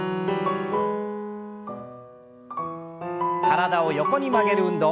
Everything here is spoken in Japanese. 体を横に曲げる運動。